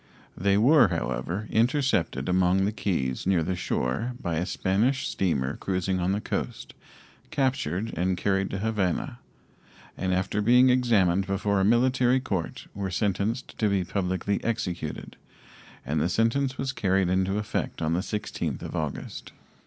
They were, however, intercepted among the keys near the shore by a Spanish steamer cruising on the coast, captured and carried to Havana, and after being examined before a military court were sentenced to be publicly executed, and the sentence was carried into effect on the 16th of August.